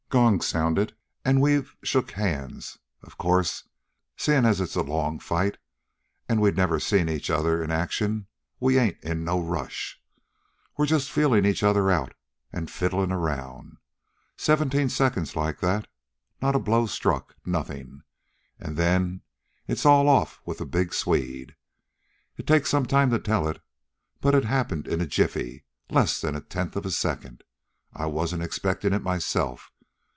"Gong's sounded, an' we've shook hands. Of course, seein' as it's a long fight an' we've never seen each other in action, we ain't in no rush. We're just feelin' each other out an' fiddlin' around. Seventeen seconds like that. Not a blow struck. Nothin'. An' then it's all off with the big Swede. It takes some time to tell it, but it happened in a jiffy, in less'n a tenth of a second. I wasn't expectin' it myself.